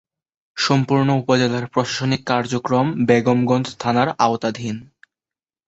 সম্পূর্ণ উপজেলার প্রশাসনিক কার্যক্রম বেগমগঞ্জ থানার আওতাধীন।